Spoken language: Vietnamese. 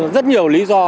rất nhiều lý do